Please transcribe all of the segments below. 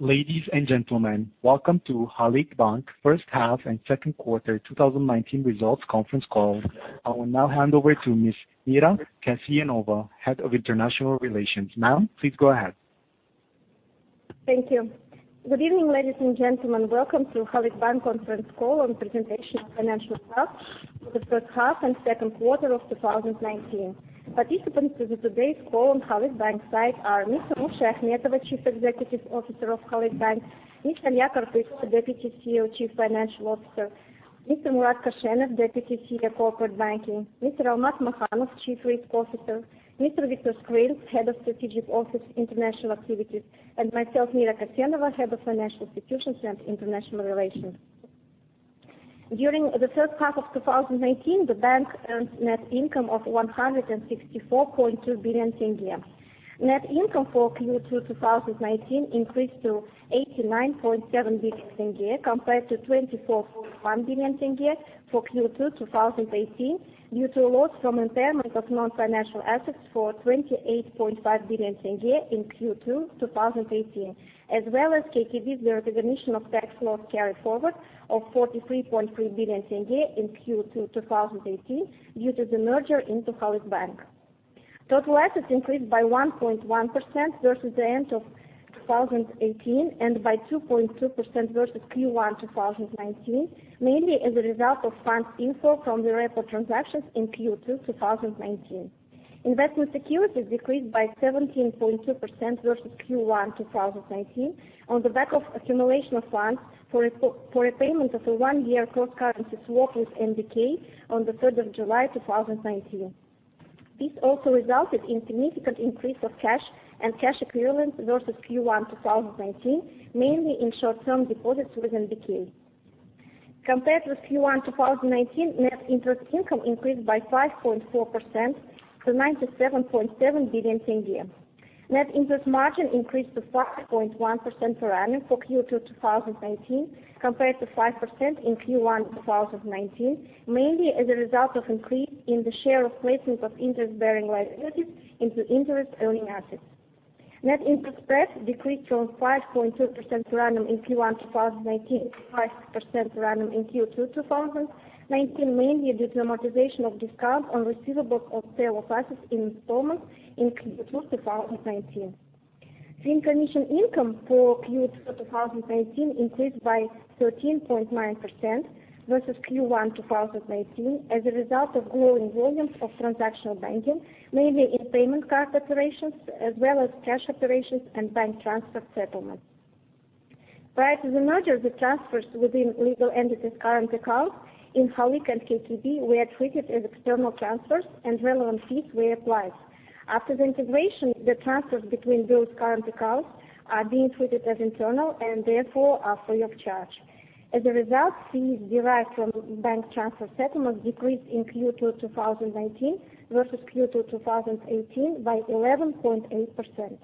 Ladies and gentlemen, welcome to Halyk Bank first half and second quarter 2019 results conference call. I will now hand over to Ms. Mira Kassenova, Head of International Relations. Ma'am, please go ahead. Thank you. Good evening, ladies and gentlemen. Welcome to Halyk Bank conference call and presentation of financial results for the first half and second quarter of 2019. Participants to today's call on Halyk Bank side are Mr. Olzhas Akhmetov, Chief Executive Officer of Halyk Bank, Mr. Alyakot Tyssa, Deputy CEO, Chief Financial Officer, Mr. Murat Koshenov, Deputy CEO, Corporate Banking, Mr. Almat Makhanov, Chief Risk Officer, Mr. Viktor Skrin, Head of Strategic Office International Activities, and myself, Ms. Mira Kassenova, Head of Financial Institutions and International Relations. During the first half of 2019, the bank earned net income of KZT 164.2 billion. Net income for Q2 2019 increased to KZT 89.7 billion compared to KZT 24.1 billion for Q2 2018, due to loss from impairment of non-financial assets for KZT 28.5 billion in Q2 2018, as well as KKB's recognition of tax loss carried forward of KZT 43.3 billion in Q2 2018 due to the merger into Halyk Bank. Total assets increased by 1.1% versus the end of 2018, and by 2.2% versus Q1 2019, mainly as a result of funds inflow from the repo transactions in Q2 2019. Investment securities decreased by 17.2% versus Q1 2019 on the back of accumulation of funds for repayment of a one-year cross-currency swap with NBK on the 3rd of July 2019. This also resulted in significant increase of cash and cash equivalents versus Q1 2019, mainly in short-term deposits with NBK. Compared with Q1 2019, net interest income increased by 5.4% to KZT 97.7 billion. Net interest margin increased to 5.1% per annum for Q2 2019 compared to 5% in Q1 2019, mainly as a result of increase in the share of placement of interest-bearing liabilities into interest earning assets. Net interest spread decreased from 5.2% per annum in Q1 2019 to 5% per annum in Q2 2019, mainly due to amortization of discount on receivables of sale of assets in installments in Q2 2019. Fee and commission income for Q2 2019 increased by 13.9% versus Q1 2019 as a result of growing volumes of transactional banking, mainly in payment card operations as well as cash operations and bank transfer settlements. Prior to the merger, the transfers within legal entities' current accounts in Halyk and KTB were treated as external transfers and relevant fees were applied. After the integration, the transfers between those current accounts are being treated as internal and therefore are free of charge. Fees derived from bank transfer settlements decreased in Q2 2019 versus Q2 2018 by 11.8%. Fee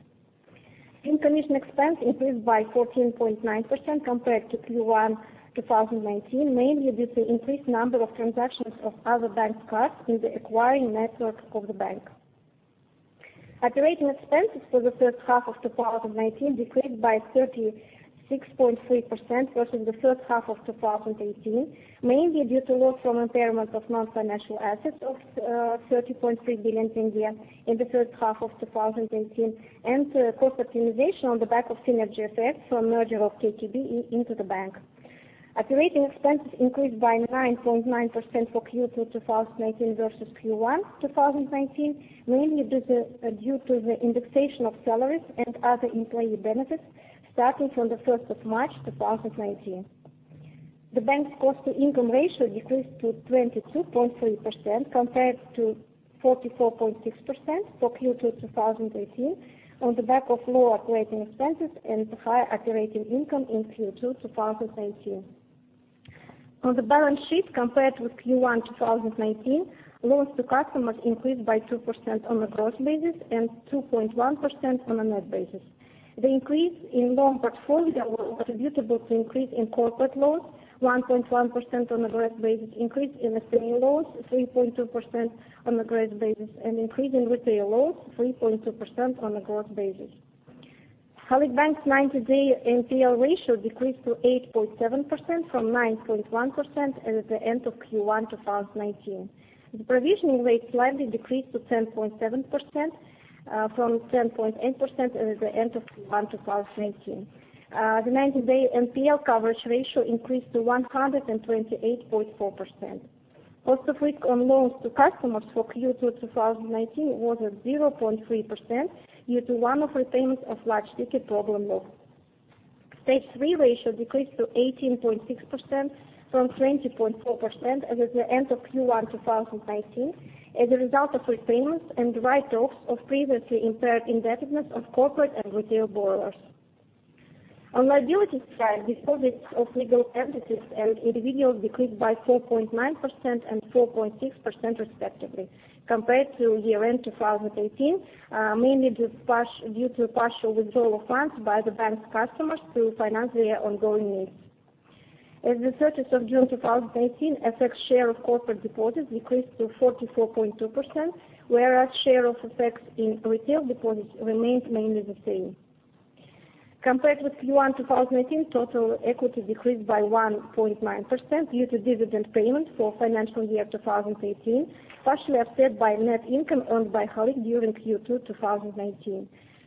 and commission expense increased by 14.9% compared to Q1 2019, mainly due to increased number of transactions of other banks' cards in the acquiring network of the bank. Operating expenses for the first half of 2019 decreased by 36.3% versus the first half of 2018, mainly due to loss from impairment of non-financial assets of KZT 30.3 billion in the first half of 2018 and cost optimization on the back of synergy effects from merger of KKB into the bank. Operating expenses increased by 9.9% for Q2 2019 versus Q1 2019, mainly due to the indexation of salaries and other employee benefits starting from the 1st of March 2019. The bank's cost-to-income ratio decreased to 22.3% compared to 44.6% for Q2 2018 on the back of lower operating expenses and higher operating income in Q2 2018. On the balance sheet compared with Q1 2019, loans to customers increased by 2% on a gross basis and 2.1% on a net basis. The increase in loan portfolio was attributable to increase in corporate loans, 1.1% on a gross basis, increase in SME loans, 3.2% on a gross basis, and increase in retail loans, 3.2% on a gross basis. Halyk Bank's 90-day NPL ratio decreased to 8.7% from 9.1% as at the end of Q1 2019. The provisioning rate slightly decreased to 10.7% from 10.8% as at the end of Q1 2019. The 90-day NPL coverage ratio increased to 128.4%. Cost of risk on loans to customers for Q2 2019 was at 0.3% due to one-off repayments of large ticket problem loans. Stage 3 ratio decreased to 18.6% from 20.4% as at the end of Q1 2019 as a result of repayments and write-offs of previously impaired indebtedness of corporate and retail borrowers. On liability side, deposits of legal entities and individuals decreased by 4.9% and 4.6% respectively compared to year end 2018, mainly due to partial withdrawal of funds by the bank's customers to finance their ongoing needs. As of 30th June 2018, FX share of corporate deposits decreased to 44.2%, whereas share of FX in retail deposits remains mainly the same. Compared with Q1 2018, total equity decreased by 1.9% due to dividend payment for financial year 2018, partially offset by net income earned by Halyk during Q2 2019.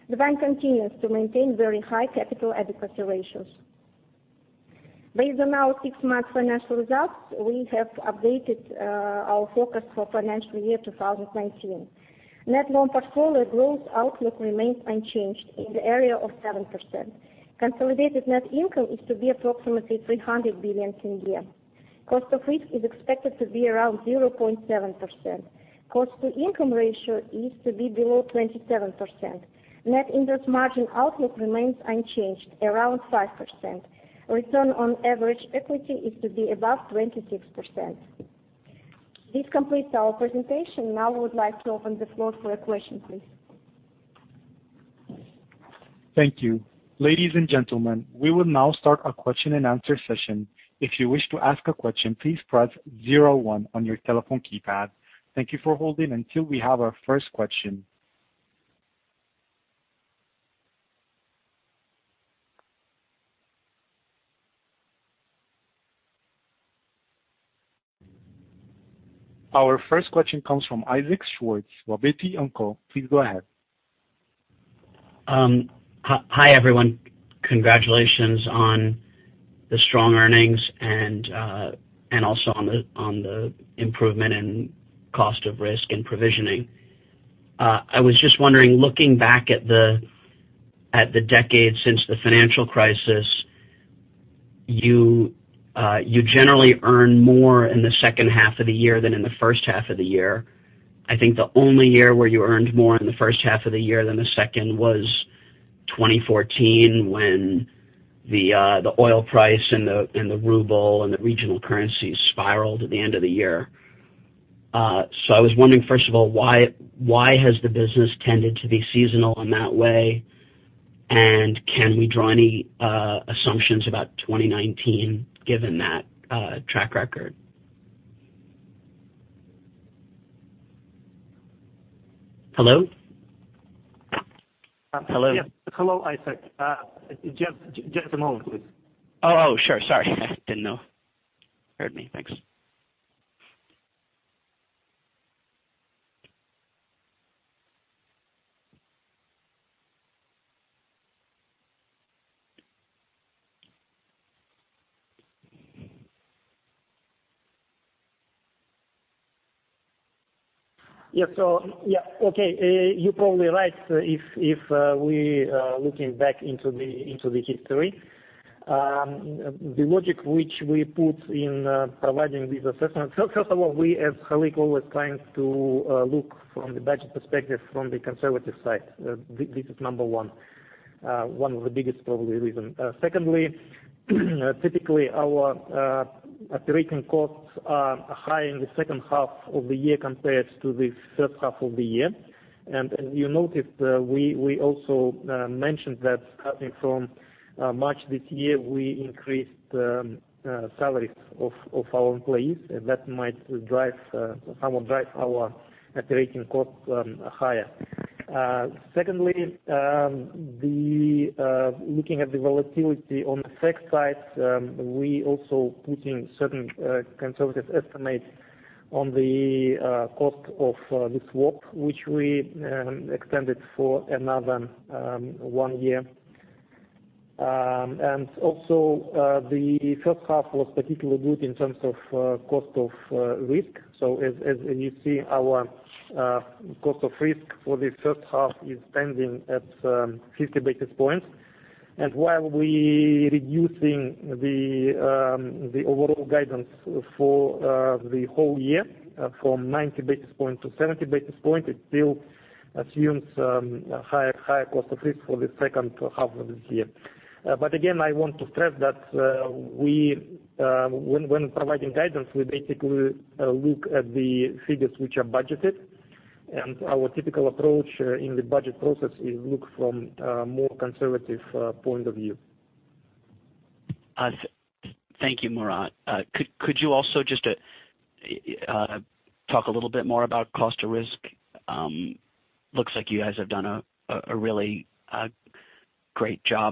The bank continues to maintain very high capital adequacy ratios. Based on our six-month financial results, we have updated our forecast for financial year 2019. Net loan portfolio growth outlook remains unchanged in the area of 7%. Consolidated net income is to be approximately KZT 300 billion. Cost of risk is expected to be around 0.7%. Cost-to-income ratio is to be below 27%. Net interest margin outlook remains unchanged around 5%. Return on average equity is to be above 26%. This completes our presentation. Now we would like to open the floor for questions, please. Thank you. Ladies and gentlemen, we will now start our question and answer session. If you wish to ask a question, please press zero one on your telephone keypad. Thank you for holding until we have our first question. Our first question comes from Isaac Schwartz, Robbotti & Co. Please go ahead. Hi, everyone. Congratulations on the strong earnings and also on the improvement in cost of risk and provisioning. I was just wondering, looking back at the decade since the financial crisis, you generally earn more in the second half of the year than in the first half of the year. I think the only year where you earned more in the first half of the year than the second was 2014 when the oil price and the ruble and the regional currencies spiraled at the end of the year. I was wondering, first of all, why has the business tended to be seasonal in that way? Can we draw any assumptions about 2019 given that track record? Hello? Yes. Hello, Isaac. Just a moment, please. Oh, sure. Sorry. I didn't know. Heard me. Thanks. Yeah. Okay. You're probably right if we looking back into the history. The logic which we put in providing these assessments, first of all, we, as Halyk, always trying to look from the budget perspective from the conservative side. This is number 1. One of the biggest, probably reason. Typically, our operating costs are high in the second half of the year compared to the first half of the year. As you noticed, we also mentioned that starting from March this year, we increased salaries of our employees, and that might drive our operating cost higher. Looking at the volatility on the FX side, we also putting certain conservative estimates on the cost of the swap, which we extended for another one year. Also, the first half was particularly good in terms of cost of risk. As you see, our cost of risk for the first half is standing at 50 basis points. While we reducing the overall guidance for the whole year from 90 basis points to 70 basis points, it still assumes higher cost of risk for the second half of this year. Again, I want to stress that when providing guidance, we basically look at the figures which are budgeted, and our typical approach in the budget process is look from a more conservative point of view. Thank you, Murat. Could you also just talk a little bit more about cost of risk? Looks like you guys have done a really great job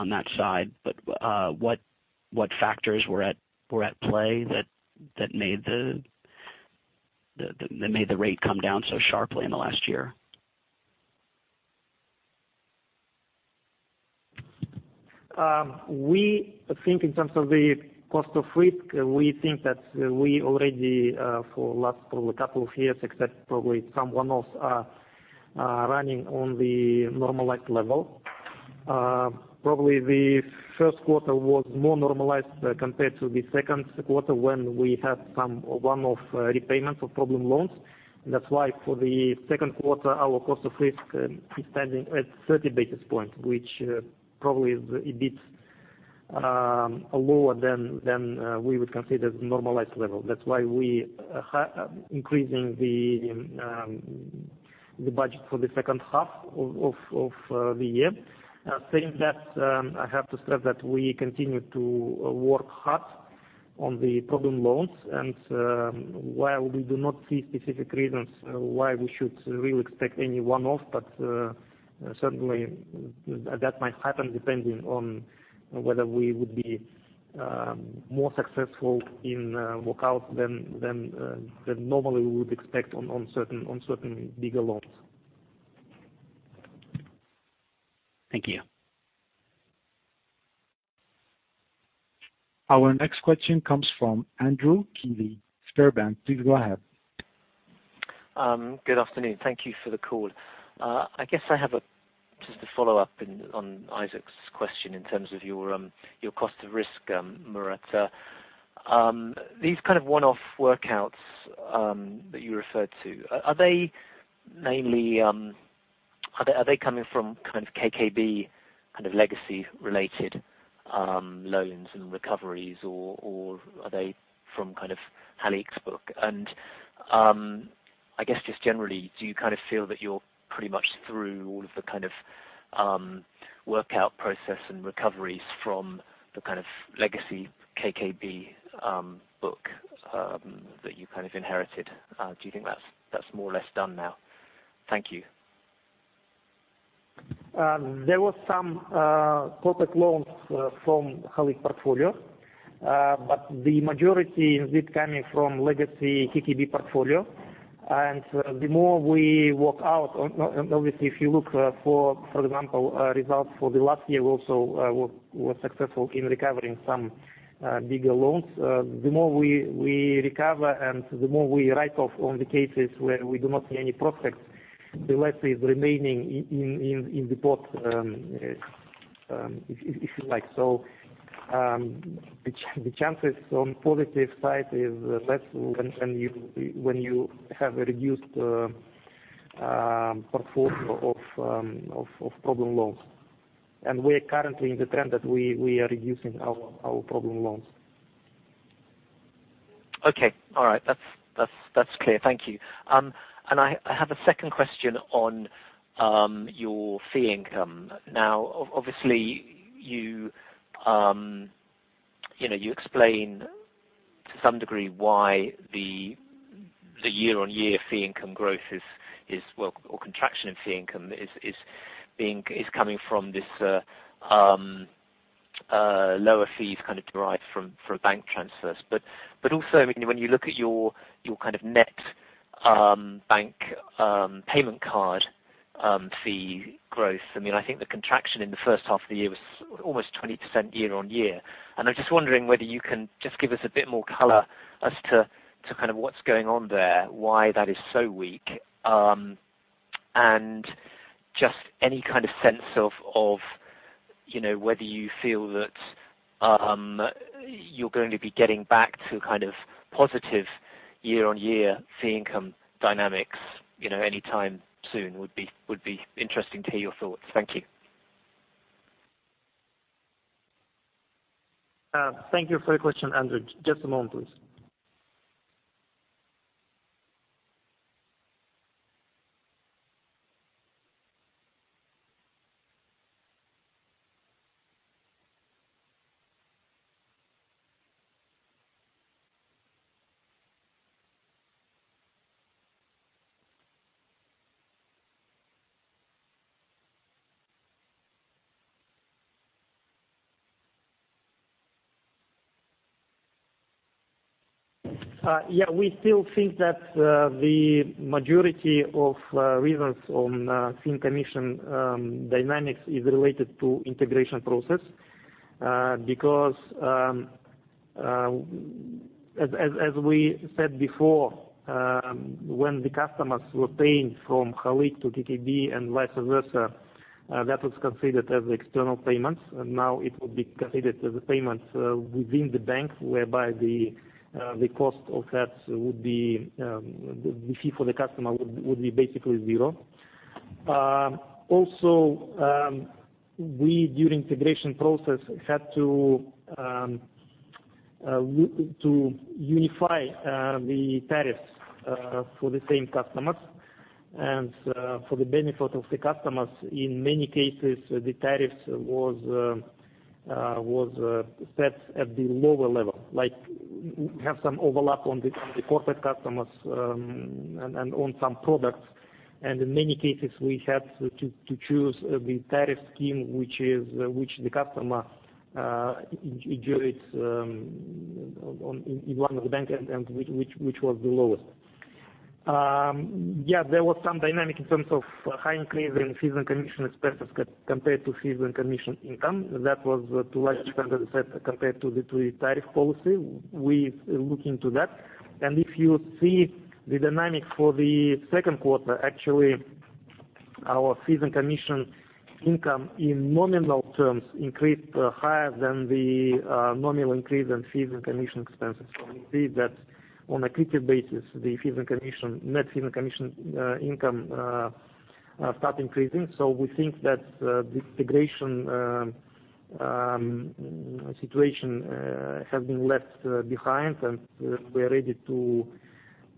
on that side, but what factors were at play that made the rate come down so sharply in the last year? We think in terms of the cost of risk, we think that we already, for last probably couple of years, except probably some one-offs, are running on the normalized level. Probably, the first quarter was more normalized compared to the second quarter when we had some one-off repayments of problem loans. That's why for the second quarter, our cost of risk is standing at 30 basis point, which probably is a bit lower than we would consider the normalized level. That's why we increasing the budget for the second half of the year. Saying that, I have to stress that we continue to work hard on the problem loans, and while we do not see specific reasons why we should really expect any one-off, but certainly, that might happen depending on whether we would be more successful in workout than normally we would expect on certain bigger loans. Thank you. Our next question comes from Andrew Keeley, Sberbank. Please go ahead. Good afternoon. Thank you for the call. I guess I have just a follow-up on Isaac's question in terms of your cost of risk, Murat. These kind of one-off workouts that you referred to, mainly, are they coming from Kazkommertsbank legacy related loans and recoveries, or are they from Halyk's book? I guess just generally, do you feel that you're pretty much through all of the workout process and recoveries from the legacy Kazkommertsbank book that you inherited? Do you think that's more or less done now? Thank you. There was some corporate loans from Halyk portfolio but the majority is coming from legacy Kazkommertsbank portfolio. Obviously, if you look, for example, results for the last year, we also were successful in recovering some bigger loans. The more we recover and the more we write off on the cases where we do not see any prospect, the less is remaining in the pot, if you like. The chances on positive side is less when you have a reduced portfolio of problem loans. We are currently in the trend that we are reducing our problem loans. Okay. All right. That's clear. Thank you. I have a second question on your fee income. Now, obviously, you explain to some degree why the year-on-year fee income growth or contraction in fee income is coming from this lower fees derived from bank transfers. Also, when you look at your net bank payment card fee growth, I think the contraction in the first half of the year was almost 20% year-on-year. I'm just wondering whether you can just give us a bit more color as to what's going on there, why that is so weak, and just any kind of sense of whether you feel that you're going to be getting back to positive year-on-year fee income dynamics anytime soon would be interesting to hear your thoughts. Thank you. Thank you for your question, Andrew. Just a moment, please. We still think that the majority of reasons on fee and commission dynamics is related to integration process. As we said before, when the customers were paying from Halyk to Kazkommertsbank and vice versa, that was considered as external payments. It would be considered as a payment within the bank, whereby the cost of that would be the fee for the customer would be basically zero. We, during integration process, had to unify the tariffs for the same customers and for the benefit of the customers, in many cases, the tariffs was set at the lower level, like we have some overlap on the corporate customers and on some products. In many cases, we had to choose the tariff scheme which the customer enjoys in one of the bank and which was the lowest. Yeah, there was some dynamic in terms of high increase in fees and commission expenses compared to fees and commission income. That was too large, compared to the tariff policy. We're looking into that. If you see the dynamic for the second quarter, actually, our fees and commission income in nominal terms increased higher than the nominal increase in fees and commission expenses. We see that on accretive basis, the net fees and commission income start increasing. We think that the integration situation has been left behind, and we are ready to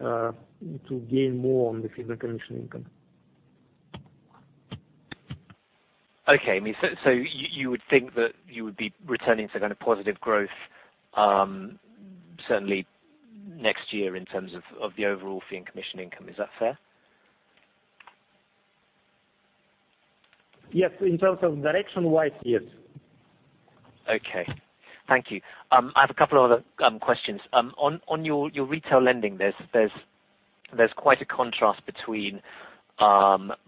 gain more on the fees and commission income. Okay. You would think that you would be returning to positive growth certainly next year in terms of the overall fee and commission income. Is that fair? Yes. In terms of direction wise, yes. Okay. Thank you. I have a couple other questions. On your retail lending, there's quite a contrast between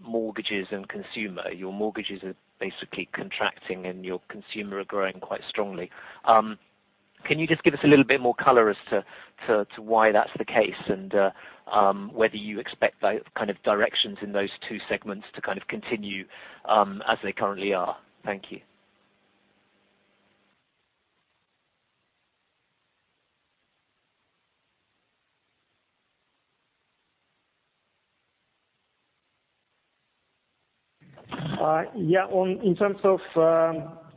mortgages and consumer. Your mortgages are basically contracting, and your consumer are growing quite strongly. Can you just give us a little bit more color as to why that's the case, and whether you expect directions in those two segments to continue as they currently are? Thank you. Yeah. In terms of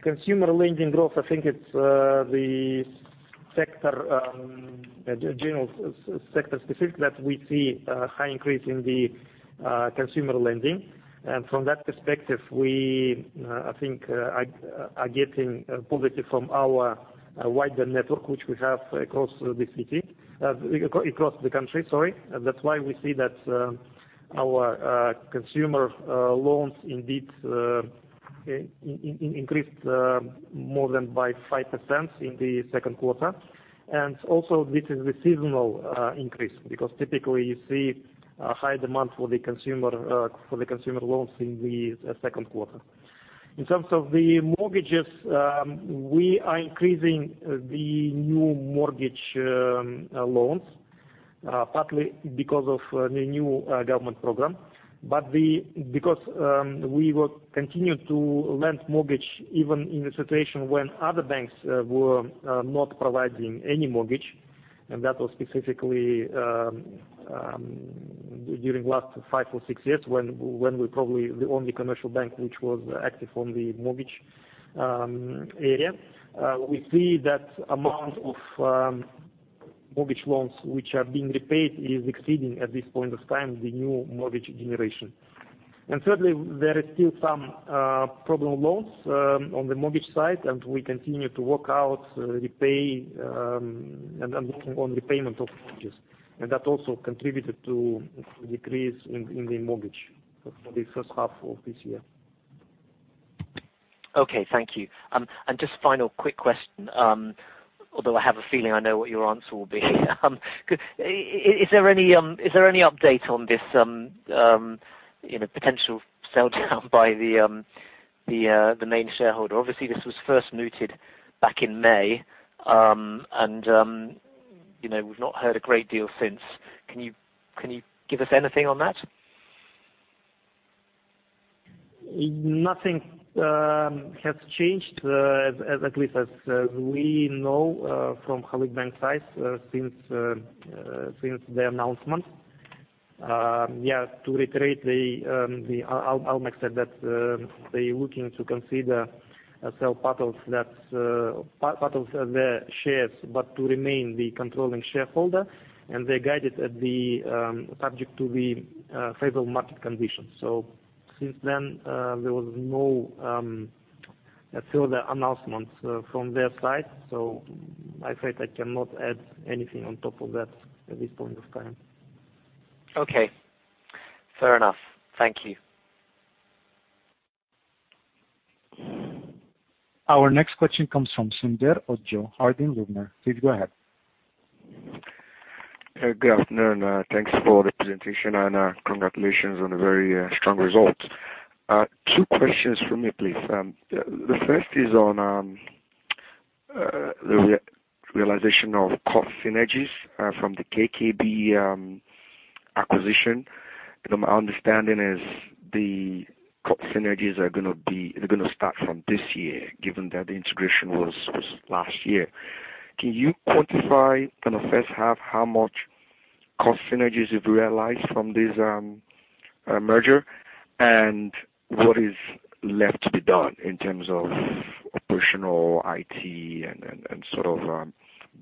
consumer lending growth, I think it's the general sector specific that we see a high increase in the consumer lending. From that perspective, we, I think, are getting positive from our wider network, which we have across the country. That's why we see that our consumer loans indeed increased more than by 5% in the second quarter. Also, this is the seasonal increase, because typically you see a high demand for the consumer loans in the second quarter. In terms of the mortgages, we are increasing the new mortgage loans, partly because of the new Government Program. Because we will continue to lend mortgage even in a situation when other banks were not providing any mortgage, and that was specifically during last five or six years, when we're probably the only commercial bank which was active on the mortgage area. We see that amount of mortgage loans which are being repaid is exceeding, at this point of time, the new mortgage generation. Certainly, there is still some problem loans on the mortgage side, and we continue to work out repay and working on repayment of mortgages. That also contributed to decrease in the mortgage for the first half of this year. Okay, thank you. Just final quick question, although I have a feeling I know what your answer will be. Is there any update on this potential sell down by the main shareholder? Obviously, this was first noted back in May, and we've not heard a great deal since. Can you give us anything on that? Nothing has changed, at least as we know from Halyk Bank side since their announcement. Yeah, to reiterate the Almex said that they're looking to consider sell part of their shares, but to remain the controlling shareholder, and they guide it at the subject to the favorable market conditions. Since then, there was no further announcements from their side. I'm afraid I cannot add anything on top of that at this point of time. Okay. Fair enough. Thank you. Our next question comes from Babatunde Ojo, Harding Loevner. Please go ahead. Good afternoon. Thanks for the presentation and congratulations on a very strong result. Two questions from me, please. The first is on the realization of cost synergies from the Kazkommertsbank acquisition. My understanding is the cost synergies are going to start from this year, given that the integration was last year. Can you quantify, first half, how much cost synergies you've realized from this merger? What is left to be done in terms of operational IT and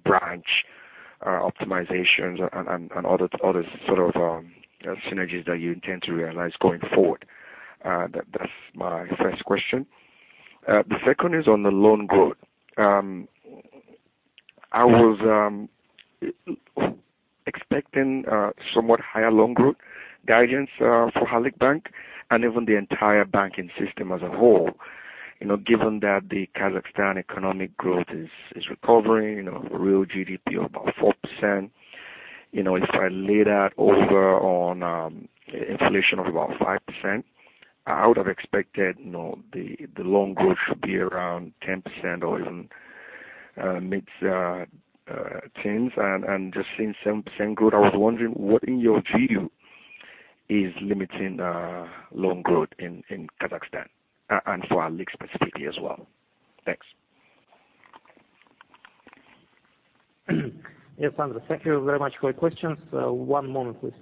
branch optimizations and other sort of synergies that you intend to realize going forward? That's my first question. The second is on the loan growth. I was expecting somewhat higher loan growth guidance for Halyk Bank and even the entire banking system as a whole. Given that the Kazakhstan economic growth is recovering, real GDP of about 4%. If I lay that over on inflation of about 5%, I would have expected the loan growth should be around 10% or even mid teens. Just seeing 7% growth, I was wondering what, in your view, is limiting loan growth in Kazakhstan and for Halyk specifically as well. Thanks. Yes, Sunder. Thank you very much for your questions. One moment, please.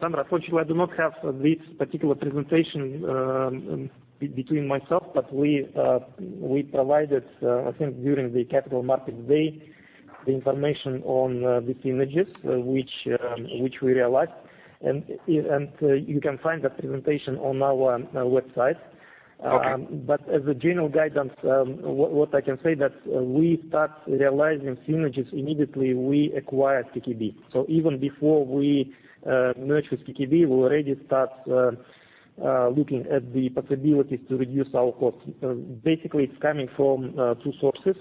Sunder, unfortunately, I do not have this particular presentation between myself, but we provided, I think during the Capital Markets Day, the information on these synergies, which we realized, and you can find that presentation on our website. Okay. As a general guidance, what I can say that we start realizing synergies immediately we acquire KKB. Even before we merge with KKB, we already start looking at the possibilities to reduce our costs. Basically, it's coming from two sources,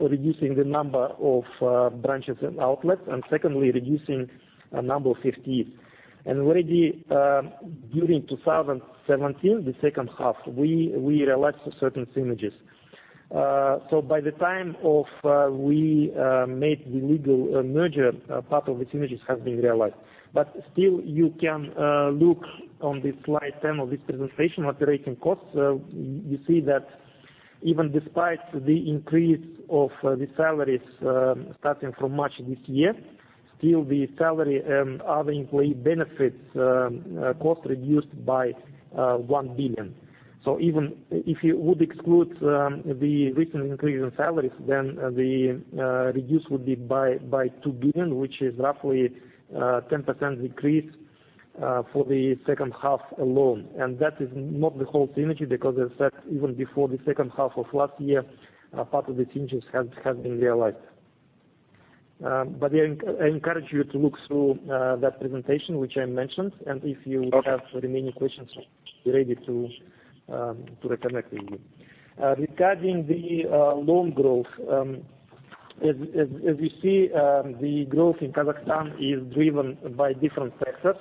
reducing the number of branches and outlets, and secondly, reducing the number of 50. Already, during 2017, the second half, we realized certain synergies. By the time we made the legal merger, part of the synergies have been realized. Still, you can look on slide 10 of this presentation, operating costs, you see that even despite the increase of the salaries starting from March of this year, still the salary and other employee benefits cost reduced by KZT 1 billion. Even if you would exclude the recent increase in salaries, the reduce would be by KZT 2 billion, which is roughly 10% decrease for the second half alone. That is not the whole synergy because as I said, even before the second half of last year, part of the synergies have been realized. I encourage you to look through that presentation, which I mentioned, and if you have. Okay any remaining questions, ready to reconnect with you. Regarding the loan growth, as you see, the growth in Kazakhstan is driven by different sectors.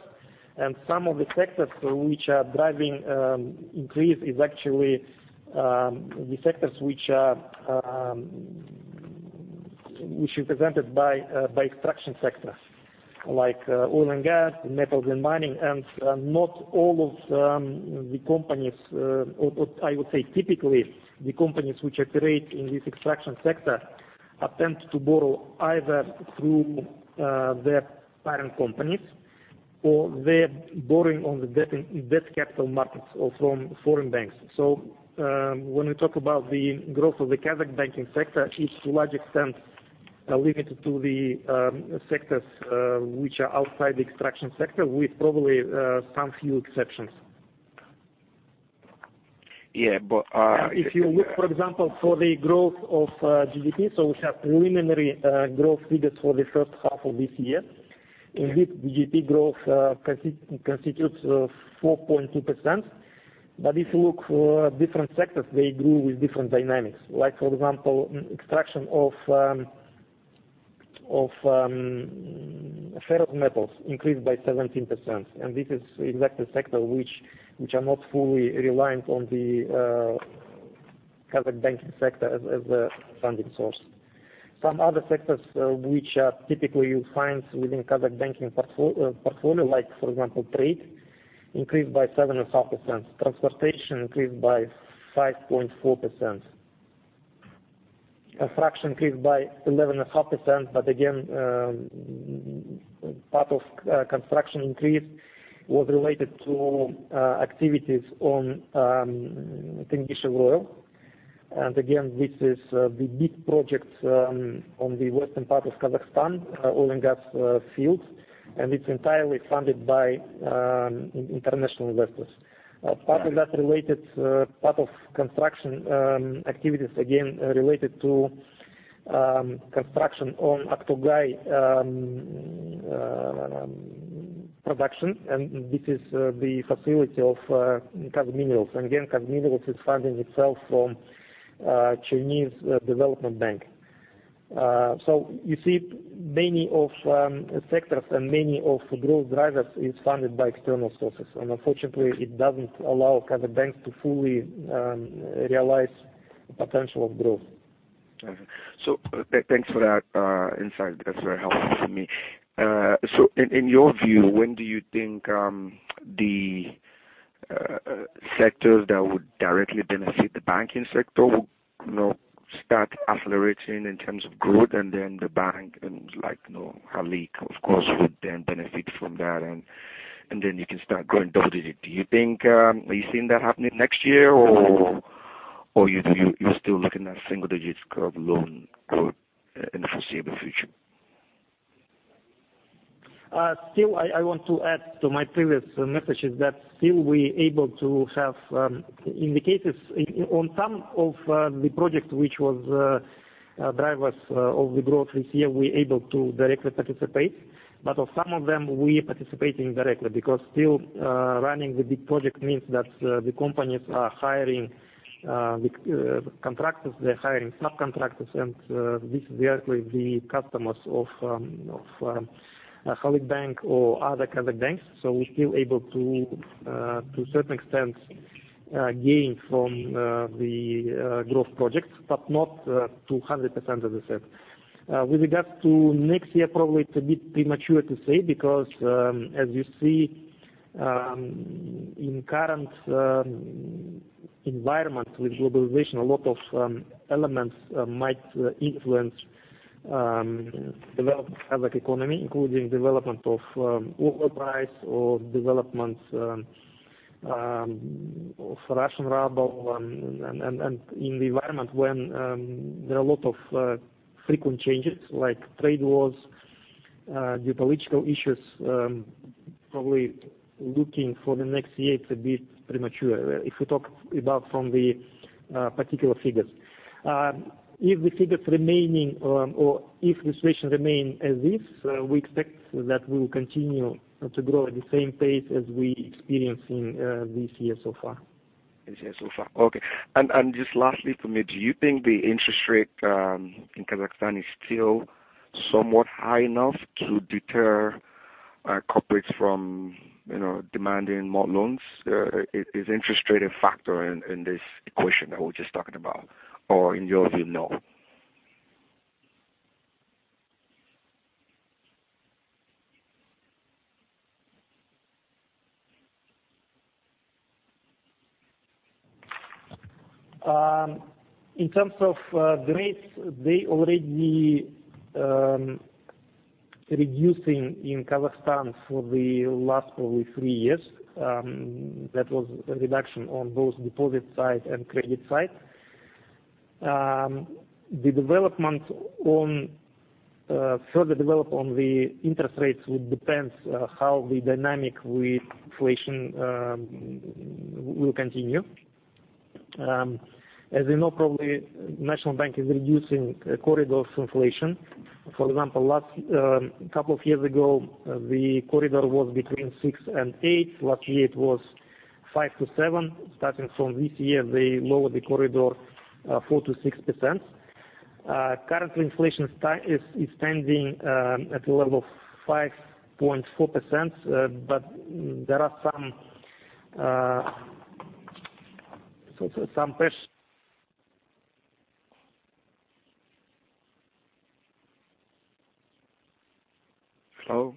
Some of the sectors which are driving increase is actually the sectors which are presented by extraction sectors like oil and gas, metals and mining. Not all of the companies, or I would say typically, the companies which operate in this extraction sector attempt to borrow either through their parent companies or they're borrowing on the debt capital markets or from foreign banks. When we talk about the growth of the Kazakh banking sector, it's to a large extent limited to the sectors which are outside the extraction sector, with probably some few exceptions. Yeah, but- If you look, for example, for the growth of GDP, we have preliminary growth figures for the first half of this year. Indeed, GDP growth constitutes 4.2%, but if you look for different sectors, they grew with different dynamics. For example, extraction of ferrous metals increased by 17%, and this is exactly sector which are not fully reliant on the Kazakh banking sector as a funding source. Some other sectors which are typically you find within Kazakh banking portfolio, for example, trade increased by 7.5%, transportation increased by 5.4%. Construction increased by 11.5%, but again, part of construction increase was related to activities on Tengizchevroil. Again, this is the big project on the western part of Kazakhstan oil and gas fields, and it's entirely funded by international investors. Part of that related part of construction activities, again, related to construction on Aktogay production, and this is the facility of KAZ Minerals. KAZ Minerals is funding itself from China Development Bank. You see many of sectors and many of growth drivers is funded by external sources. Unfortunately, it doesn't allow Kazakh banks to fully realize potential growth. Okay. Thanks for that insight. That's very helpful for me. In your view, when do you think the sectors that would directly benefit the banking sector would start accelerating in terms of growth, and then the bank and Halyk, of course, would then benefit from that, and then you can start growing double digits. Are you seeing that happening next year, or you're still looking at single digits growth, loan growth in the foreseeable future? I want to add to my previous messages that still we able to have indicators on some of the projects which was drivers of the growth this year, we able to directly participate. Of some of them, we participating indirectly, because still running the big project means that the companies are hiring contractors, they're hiring subcontractors, and this is directly the customers of Halyk Bank or other Kazakh banks. We still able to a certain extent gain from the growth projects, but not to 100%, as I said. With regards to next year, probably it's a bit premature to say because, as you see in current environment with globalization, a lot of elements might influence development of Kazakh economy, including development of oil price or developments of Russian ruble, and in the environment when there are a lot of frequent changes like trade wars, geopolitical issues, probably looking for the next year, it's a bit premature. If we talk about from the particular figures. If the figures remaining or if the situation remain as is, we expect that we'll continue to grow at the same pace as we experiencing this year so far. This year so far. Okay. Just lastly from me, do you think the interest rate in Kazakhstan is still somewhat high enough to deter corporates from demanding more loans? Is interest rate a factor in this equation that we're just talking about? In your view, no? In terms of rates, they already reducing in Kazakhstan for the last, probably three years. That was a reduction on both deposit side and credit side. Further development on the interest rates will depend how the dynamic with inflation will continue. As you know, probably National Bank is reducing corridors inflation. For example, couple of years ago, the corridor was between six and eight. Last year it was five to seven. Starting from this year, they lowered the corridor 4%-6%. Currently, inflation is standing at the level of 5.4%. There are some press Hello?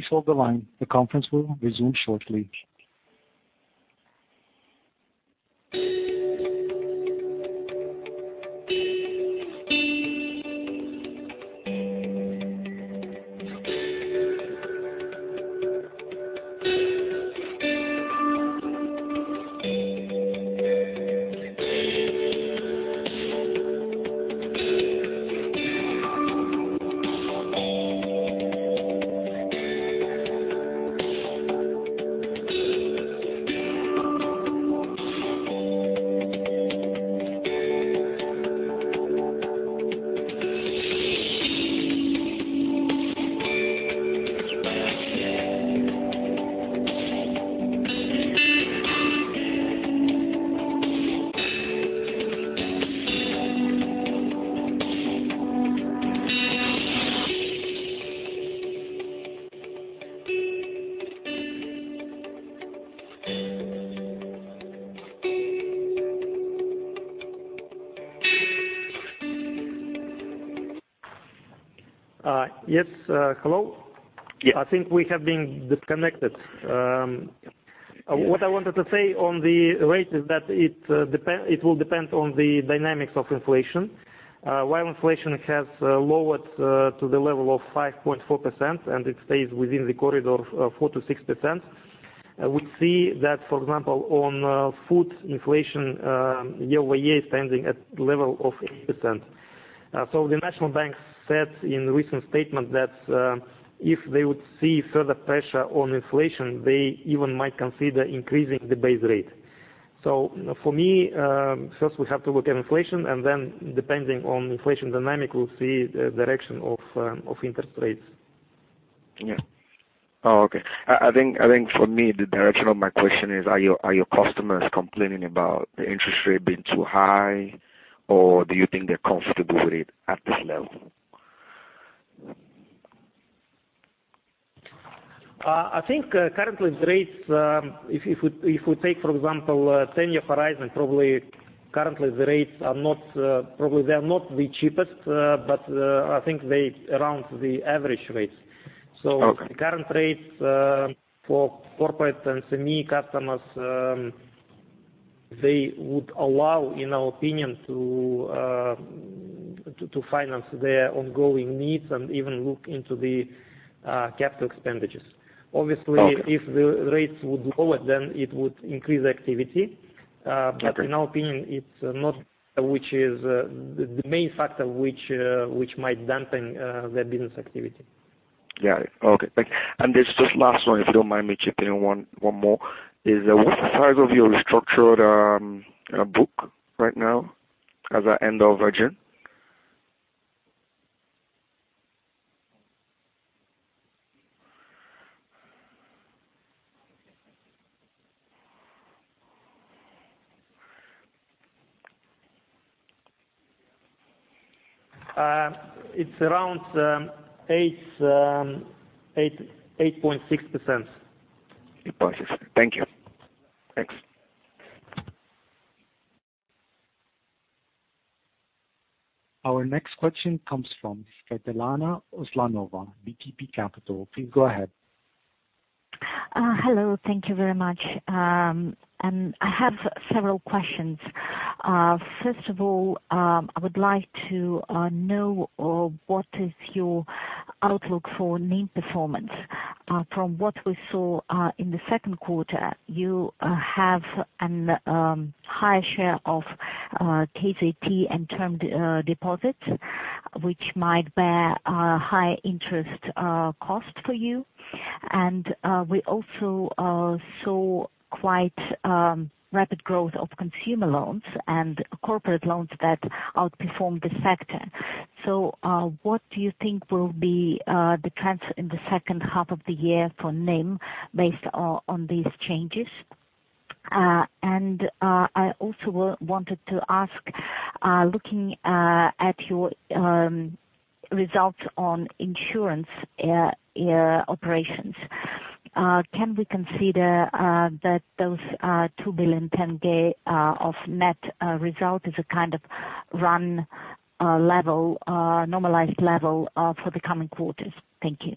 Please hold the line. The conference will resume shortly. Yes. Hello? Yes. I think we have been disconnected. What I wanted to say on the rate is that it will depend on the dynamics of inflation. While inflation has lowered to the level of 5.4%, and it stays within the corridor of 4%-6%, we see that, for example, on food inflation year-over-year standing at level of 8%. The National Bank said in recent statement that if they would see further pressure on inflation, they even might consider increasing the base rate. For me, first we have to look at inflation and then depending on inflation dynamic, we'll see the direction of interest rates. Yeah. Oh, okay. I think for me, the direction of my question is, are your customers complaining about the interest rate being too high, or do you think they're comfortable with it at this level? I think currently the rates, if we take, for example, 10-year horizon, probably currently the rates are not the cheapest, but I think they around the average rates. Okay. Current rates for corporate and SME customers, they would allow, in our opinion, to finance their ongoing needs and even look into the capital expenditures. Okay. Obviously, if the rates would lower, then it would increase activity. Okay. In our opinion, it's not which is the main factor which might dampen their business activity. Got it. Okay, thank you. There's just last one, if you don't mind me chipping in one more, is what's the size of your structured book right now as at end of June? It's around 8.6%. 8.6. Thank you. Thanks. Our next question comes from Svetlana Uslanova, VTB Capital. Please go ahead. Hello. Thank you very much. I have several questions. First of all, I would like to know what is your outlook for NIM performance? From what we saw in the second quarter, you have a higher share of KZT and term deposits, which might bear a higher interest cost for you. We also saw quite rapid growth of consumer loans and corporate loans that outperformed the sector. What do you think will be the trends in the second half of the year for NIM based on these changes? I also wanted to ask, looking at your results on insurance operations, can we consider that those KZT 2 billion of net result is a kind of run normalized level for the coming quarters? Thank you.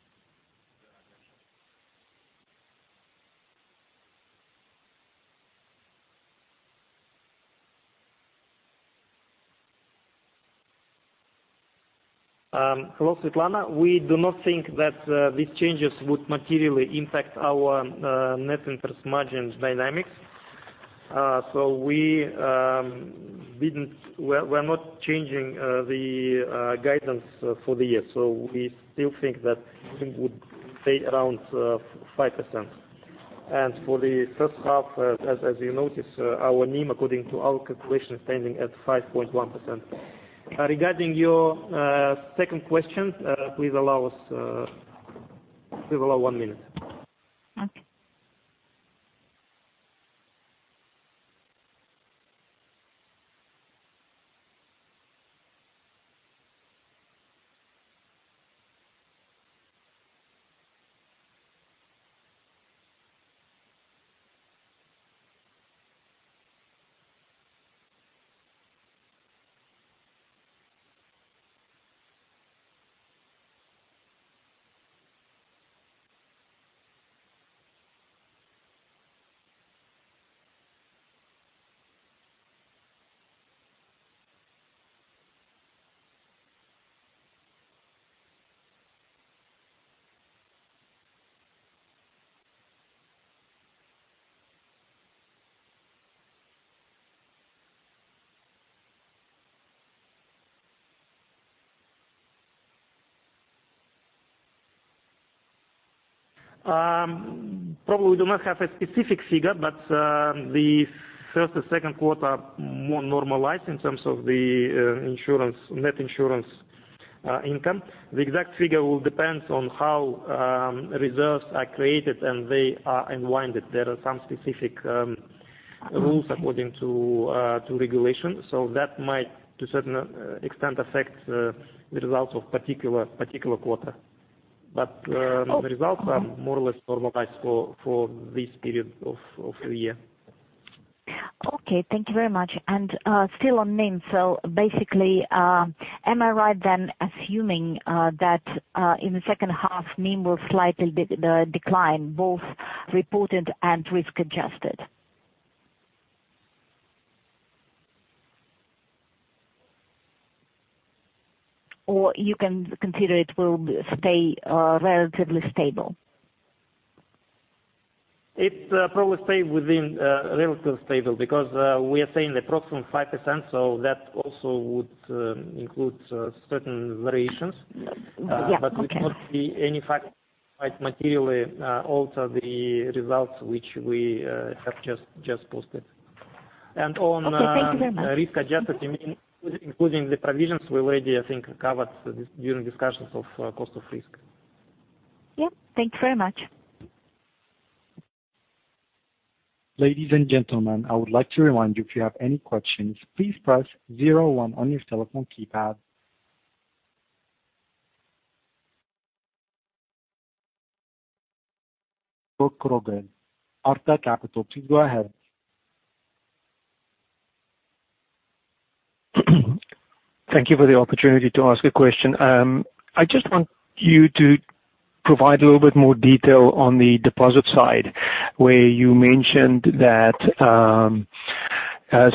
Hello, Svetlana. We do not think that these changes would materially impact our net interest margins dynamics. We're not changing the guidance for the year. We still think that NIM would stay around 5%. For the first half, as you noticed, our NIM, according to our calculation, standing at 5.1%. Regarding your second question, please allow one minute. Okay. Probably we do not have a specific figure, but the first and second quarter more normalized in terms of the net interest income. The exact figure will depend on how reserves are created and they are unwinded. There are some specific rules according to regulation. That might, to a certain extent, affect the results of particular quarter. But the results are more or less normalized for this period of the year. Okay, thank you very much. Still on NIM, basically, am I right then assuming that in the second half, NIM will slightly decline, both reported and risk-adjusted? You can consider it will stay relatively stable? It probably stay within relatively stable because we are saying approximately 5%. That also would include certain variations. Yeah. Okay. It would not be any factor quite materially alter the results which we have just posted. Okay. Thank you very much. On risk-adjusted NIM, including the provisions, we already, I think, covered during discussions of cost of risk. Yeah. Thank you very much. Ladies and gentlemen, I would like to remind you, if you have any questions, please press zero one on your telephone keypad. Borek Kroger, Arca Capital, please go ahead. Thank you for the opportunity to ask a question. I just want you to provide a little bit more detail on the deposit side, where you mentioned that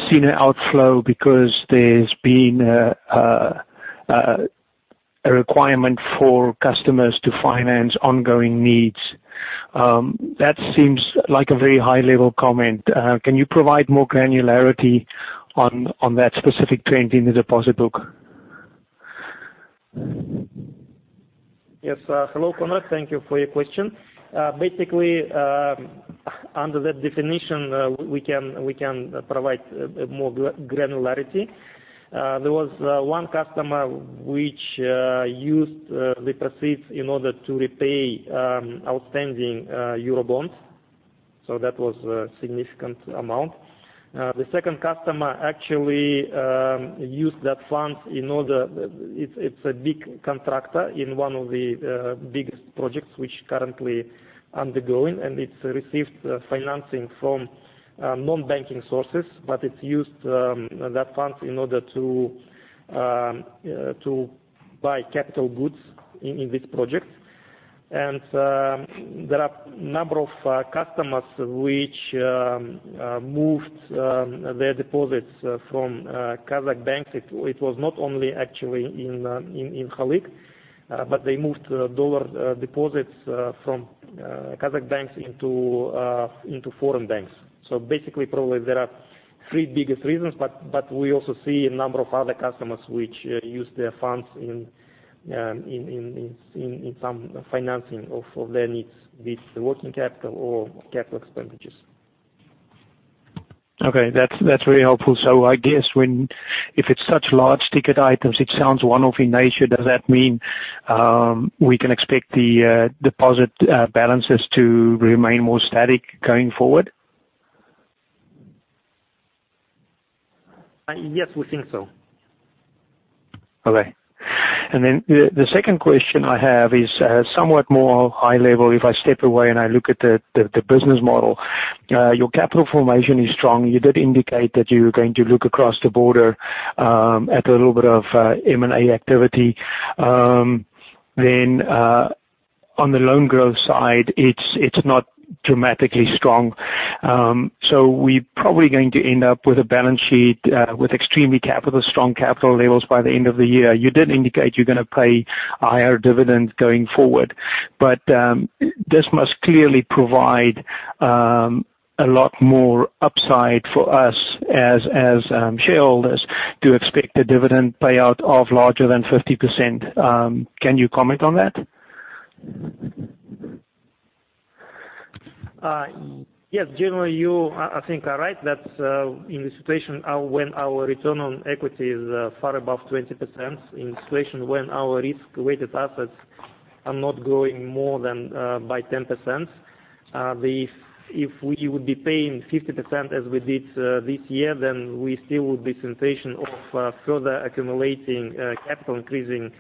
senior outflow, because there's been a requirement for customers to finance ongoing needs. That seems like a very high-level comment. Can you provide more granularity on that specific trend in the deposit book? Yes. Hello, Kroger. Thank you for your question. Basically, under that definition, we can provide more granularity. There was one customer which used the proceeds in order to repay outstanding Eurobonds, so that was a significant amount. The second customer actually used that fund, it's a big contractor in one of the biggest projects which currently undergoing, and it's received financing from non-banking sources, but it's used that fund in order to buy capital goods in this project. There are number of customers which moved their deposits from Kazakh banks. It was not only actually in Halyk, but they moved dollar deposits from Kazakh banks into foreign banks. Basically, probably there are three biggest reasons, but we also see a number of other customers which use their funds in some financing of their needs with working capital or capital expenditures. Okay. That's very helpful. I guess if it's such large ticket items, it sounds one-off in nature, does that mean we can expect the deposit balances to remain more static going forward? Yes, we think so. Okay. Then the second question I have is somewhat more high-level. If I step away and I look at the business model, your capital formation is strong. You did indicate that you were going to look across the border at a little bit of M&A activity. On the loan growth side, it's not dramatically strong. We're probably going to end up with a balance sheet with extremely strong capital levels by the end of the year. You did indicate you're going to pay higher dividends going forward, but this must clearly provide a lot more upside for us as shareholders to expect a dividend payout of larger than 50%. Can you comment on that? Yes. Generally, you, I think, are right that in the situation when our return on equity is far above 20%, in situation when our risk-weighted assets are not growing more than by 10%, if we would be paying 50% as we did this year, then we still would be in a situation of further accumulating capital, increasing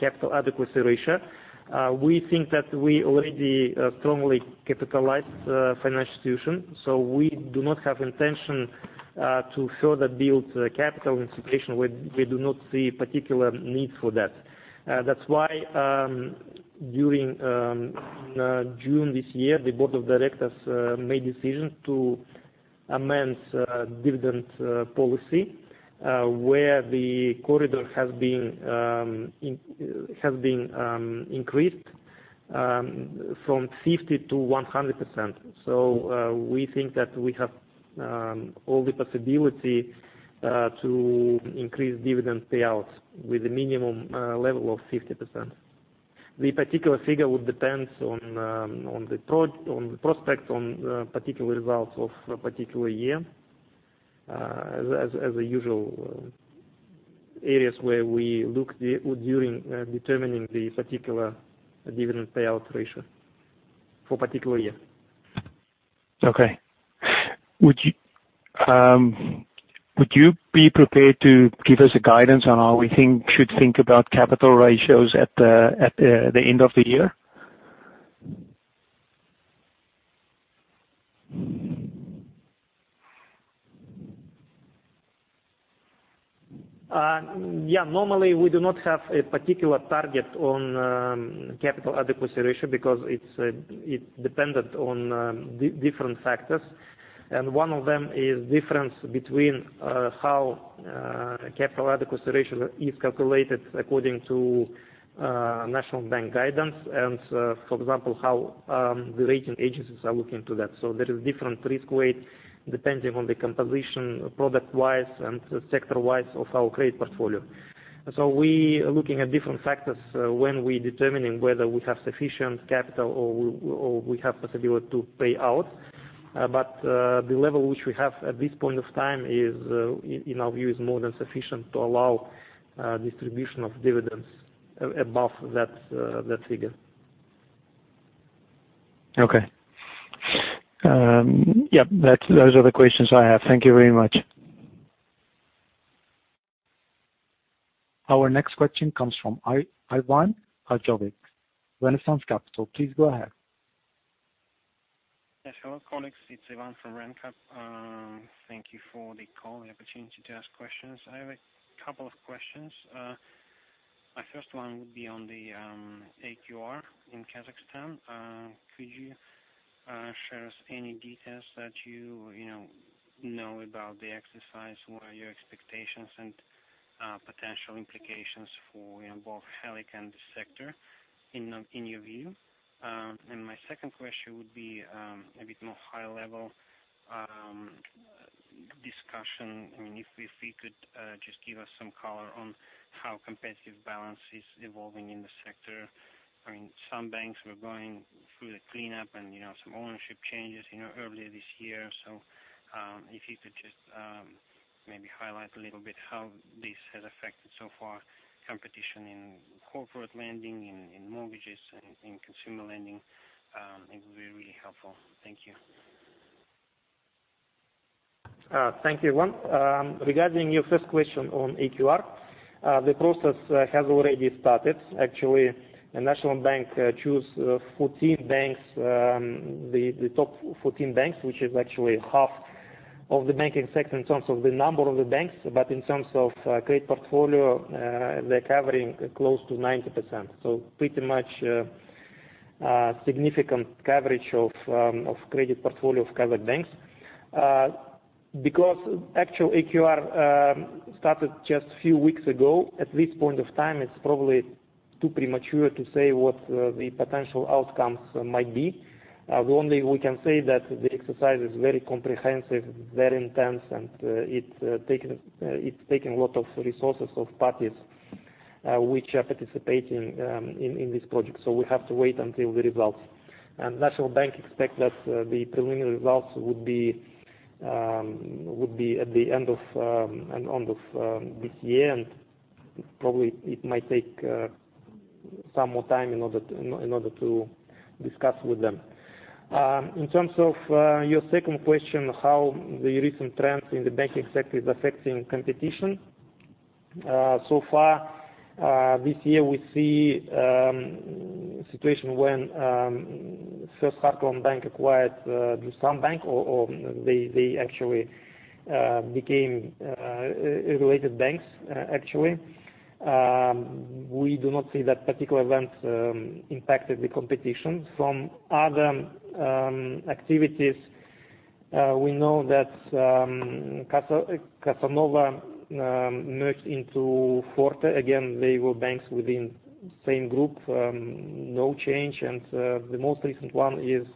capital adequacy ratio. We think that we already firmly capitalize financial institution, so we do not have intention to further build capital in situation where we do not see particular need for that. That's why during June this year, the board of directors made decision to amend dividend policy where the corridor has been increased from 50% to 100%. We think that we have all the possibility to increase dividend payouts with a minimum level of 50%. The particular figure would depend on the prospects on particular results of a particular year, as usual areas where we look during determining the particular dividend payout ratio for particular year. Okay. Would you be prepared to give us a guidance on how we should think about capital ratios at the end of the year? Yeah. Normally, we do not have a particular target on capital adequacy ratio because it's dependent on different factors, and one of them is difference between how capital adequacy ratio is calculated according to National Bank of Kazakhstan guidance and, for example, how the rating agencies are looking to that. There is different risk weight depending on the composition product wise and sector wide of our credit portfolio. We are looking at different factors when we determining whether we have sufficient capital or we have possibility to pay out. The level which we have at this point of time in our view, is more than sufficient to allow distribution of dividends above that figure. Okay. Yep, those are the questions I have. Thank you very much. Our next question comes from Ivan Gvozditskiy, Renaissance Capital. Please go ahead. Yes, hello, colleagues. It's Ivan from RenCap. Thank you for the call and the opportunity to ask questions. I have a couple of questions. My first one would be on the AQR in Kazakhstan. Could you share us any details that you know about the exercise? What are your expectations and potential implications for both Halyk and the sector in your view? My second question would be a bit more high-level discussion. If you could just give us some color on how competitive balance is evolving in the sector, I mean, some banks were going through the cleanup and some ownership changes earlier this year. If you could just maybe highlight a little bit how this has affected so far competition in corporate lending, in mortgages, and in consumer lending, it would be really helpful. Thank you. Thank you, Ivan. Regarding your first question on AQR, the process has already started. Actually, the National Bank chose 14 banks, the top 14 banks, which is actually half of the banking sector in terms of the number of the banks. In terms of credit portfolio, they're covering close to 90%. Pretty much a significant coverage of credit portfolio of covered banks. Because actual AQR started just a few weeks ago, at this point of time, it's probably too premature to say what the potential outcomes might be. The only we can say that the exercise is very comprehensive, very intense, and it's taken a lot of resources of parties which are participating in this project. We have to wait until the results. National Bank expect that the preliminary results would be at the end of this year, and probably it might take some more time in order to discuss with them. In terms of your second question, how the recent trends in the banking sector is affecting competition. Far this year, we see situation when First Heartland Bank acquired Tsesnabank or they actually became regulated banks, actually. We do not see that particular event impacted the competition. From other activities, we know that Bank Kassa Nova merged into ForteBank. Again, they were banks within same group, no change. The most recent one is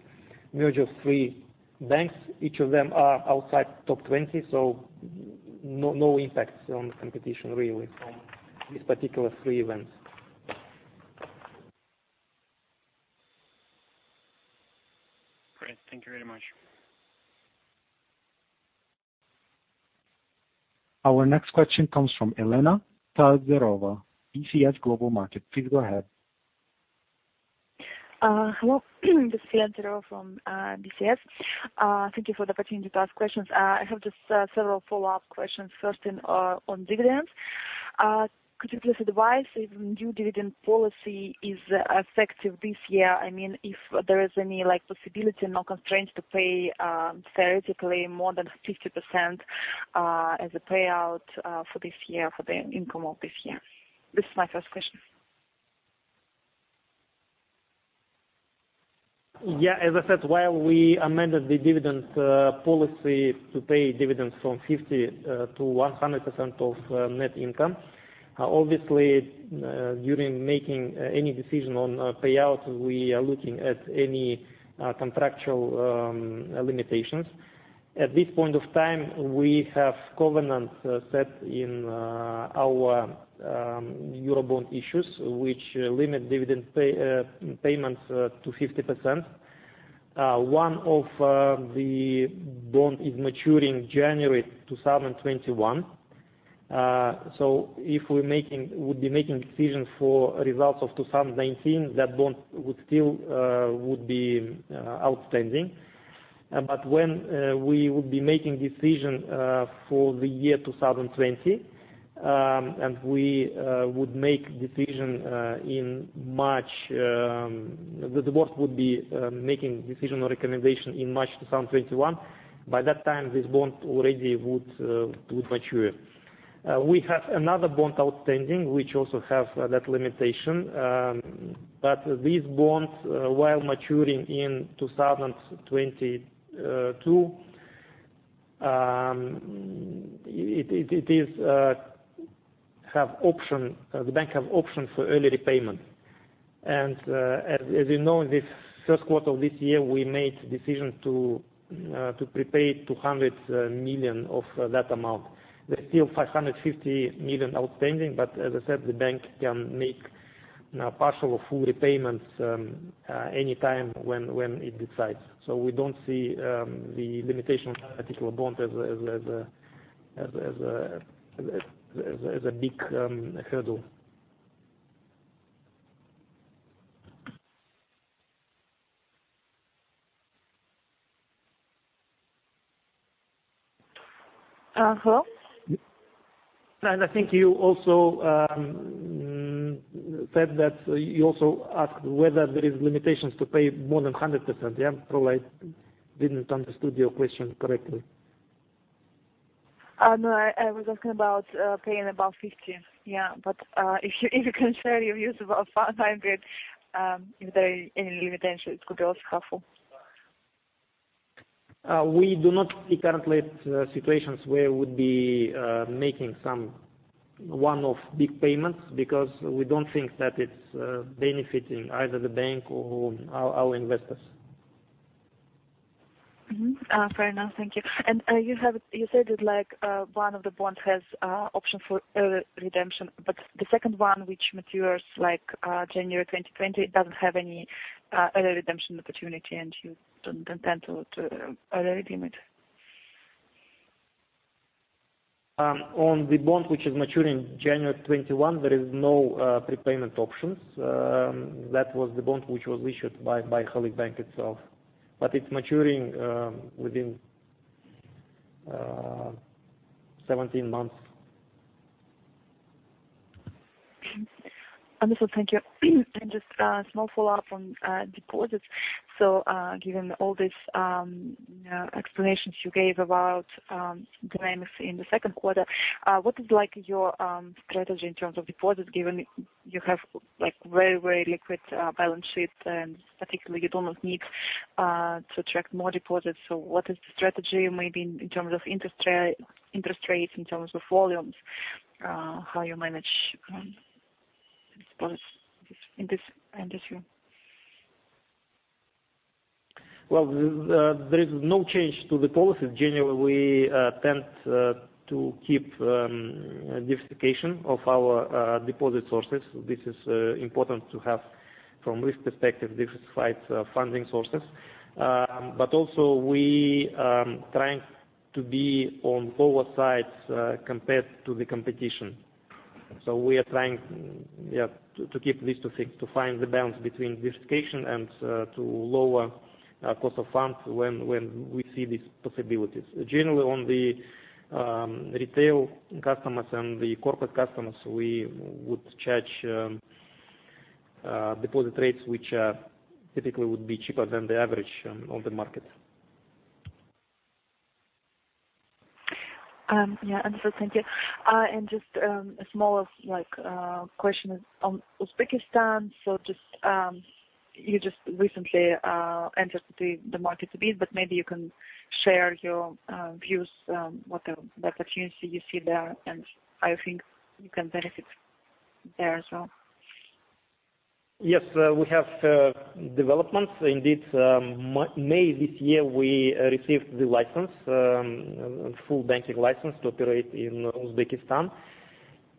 merger of three banks. Each of them are outside top 20, so no impacts on the competition really from these particular three events. Great. Thank you very much. Our next question comes from Elena Tsareva, BCS Global Markets. Please go ahead. Hello. This is Elena Tsareva from BCS. Thank you for the opportunity to ask questions. I have just several follow-up questions. First, on dividends. Could you please advise if new dividend policy is effective this year? I mean, if there is any possibility, no constraints to pay theoretically more than 50% as a payout for this year, for the income of this year. This is my first question. Yeah. As I said, while we amended the dividend policy to pay dividends from 50% to 100% of net income, obviously, during making any decision on payouts, we are looking at any contractual limitations. At this point of time, we have covenants set in our Eurobond issues, which limit dividend payments to 50%. One of the bond is maturing January 2021. If we would be making decision for results of 2019, that bond would still be outstanding. When we would be making decision for the year 2020, and we would make decision in March, the board would be making decision or recommendation in March 2021. By that time, this bond already would mature. We have another bond outstanding, which also have that limitation. These bonds, while maturing in 2022, the bank have options for early repayment. As you know, this first quarter of this year, we made decision to prepay $200 million of that amount. There's still $550 million outstanding, but as I said, the bank can make partial or full repayments anytime when it decides. We don't see the limitation on that particular bond as a big hurdle. Hello? I think you also said that you also asked whether there is limitations to pay more than 100%. Probably I didn't understand your question correctly. No, I was asking about paying above KZT 50, yeah. If you can share your views about KZT 500, if there are any limitations, it could be also helpful. We do not see currently situations where we would be making one of big payments because we don't think that it's benefiting either the bank or our investors. Fair enough. Thank you. You said that one of the bonds has an option for early redemption, but the second one, which matures January 2021, doesn't have any early redemption opportunity, and you don't intend to early redeem it? On the bond, which is maturing January 2021, there is no prepayment options. That was the bond that was issued by Halyk Bank itself, but it's maturing within 17 months. Wonderful. Thank you. Just a small follow-up on deposits. Given all these explanations you gave about dynamics in the second quarter, what is your strategy in terms of deposits, given you have a very liquid balance sheet, and particularly you don't need to attract more deposits? What is the strategy maybe in terms of interest rates, in terms of volumes, how you manage deposits in this industry? Well, there is no change to the policy. Generally, we tend to keep a diversification of our deposit sources. This is important to have from a risk perspective, diversified funding sources. Also we are trying to be on the lower side compared to the competition. We are trying to keep these two things, to find the balance between diversification and to lower cost of funds when we see these possibilities. Generally, on the retail customers and the corporate customers, we would charge deposit rates, which typically would be cheaper than the average on the market. Yeah. Wonderful. Thank you. Just a small question on Uzbekistan. You just recently entered the market a bit, but maybe you can share your views, what opportunity you see there, and how you think you can benefit there as well. Yes, we have developments indeed. May this year, we received the license, a full banking license to operate in Uzbekistan.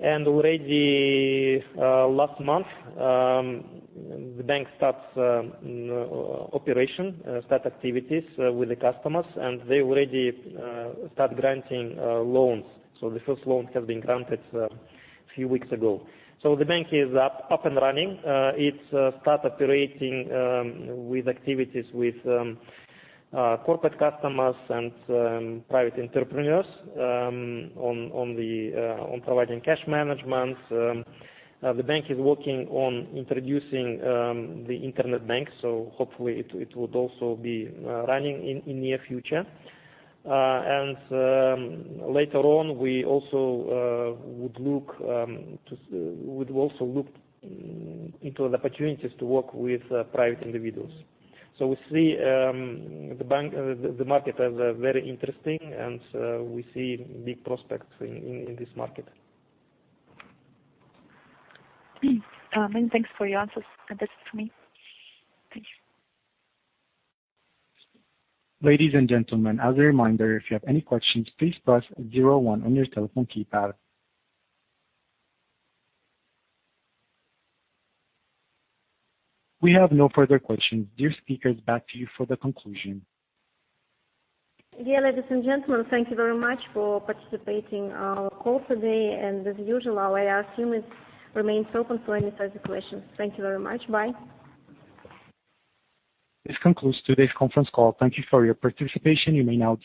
Already last month, the bank started operations, started activities with the customers, and they already started granting loans. The first loan has been granted a few weeks ago. The bank is up and running. It's started operating with activities with corporate customers and private entrepreneurs on providing cash management. The bank is working on introducing the internet bank, so hopefully, it would also be running in the near future. Later on, we also would look into opportunities to work with private individuals. We see the market as very interesting, and we see big prospects in this market. Many thanks for your answers. That's it for me. Thank you. Ladies and gentlemen, as a reminder, if you have any questions, please press zero one on your telephone keypad. We have no further questions. Dear speakers, back to you for the conclusion. Dear ladies and gentlemen, thank you very much for participating in our call today, and as usual, our IR team remain open to any further questions. Thank you very much. Bye. This concludes today's conference call. Thank you for your participation. You may now disconnect.